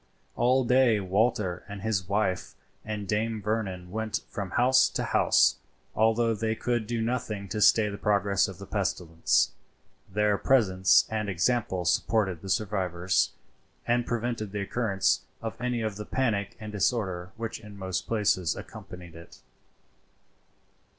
All day Walter and his wife and Dame Vernon went from house to house. Although they could do nothing to stay the progress of the pestilence, their presence and example supported the survivors, and prevented the occurrence of any of the panic and disorder which in most places accompanied it.